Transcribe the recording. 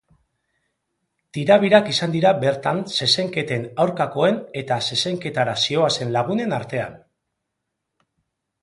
Tirabirak izan dira bertan zezenketen aurkakoen eta zezenketara zihoazen lagunen artean.